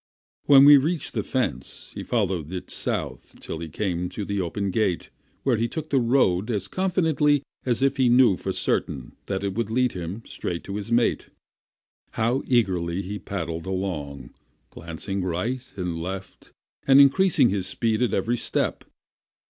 When he reached the fence, he followed it south till he came to the open gate, where he took to the road as confidently as if he knew for a certainty that it would lead him straight to his mate. How eagerly he paddled along, glancing right and left, and increasing his speed at every step!